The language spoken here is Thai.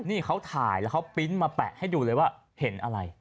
นี่เขาถ่ายแล้วเขาปริ้นต์มาแปะให้ดูเลยว่าเห็นอะไร